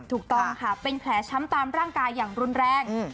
ถูกต้องค่ะเป็นแผลช้ำตามร่างกายอย่างรุนแรง